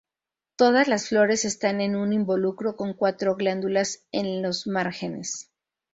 Todas las flores están en un involucro con cuatro glándulas en los márgenes.